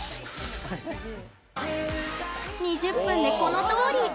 ２０分で、このとおり。